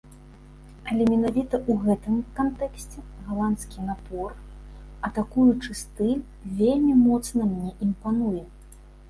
Але менавіта ў гэтым кантэксце галандскі напор, атакуючы стыль вельмі моцна мне імпануе.